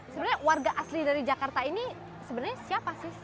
sebenarnya warga asli dari jakarta ini sebenarnya siapa sih